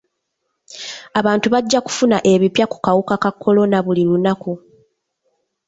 Abantu bajja kufuna ebipya ku kawuka ka kolona buli lunaku.